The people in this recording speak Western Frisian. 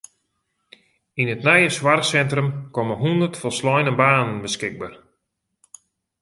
Yn it nije soarchsintrum komme hûndert folsleine banen beskikber.